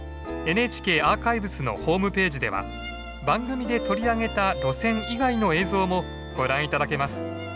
ＮＨＫアーカイブスのホームページでは番組で取り上げた路線以外の映像もご覧頂けます。